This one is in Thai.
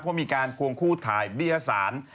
เพราะมีการควงคู่ทายด้วยที่อาสาร